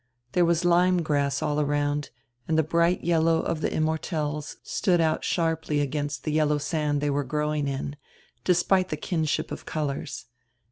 There was lyme grass all around, and die bright yellow of die immortelles stood out sharply against the yellow sand they were growing in, despite die kinship of colors.